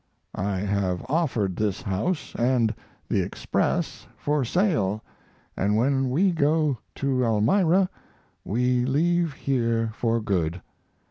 I have offered this house and the Express for sale, and when we go to Elmira we leave here for good.